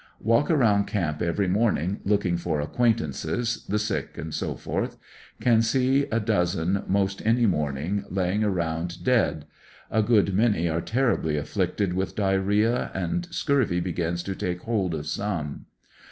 Walk around camp every morning looking for acquaintances, the sick, &c. Can see a dozen most any morning laying around dead A great many are terribly afflicted with diarrhea, and scurvy begins to take hold of some.